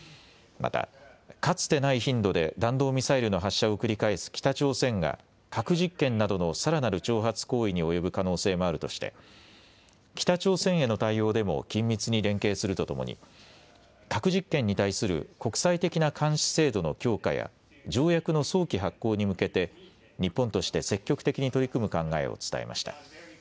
また、かつてない頻度で弾道ミサイルの発射を繰り返す北朝鮮が核実験などのさらなる挑発行為に及ぶ可能性もあるとして北朝鮮への対応でも緊密に連携するとともに核実験に対する国際的な監視制度の強化や条約の早期発効に向けて日本として積極的に取り組む考えを伝えました。